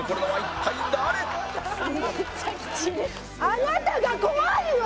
あなたが怖いの！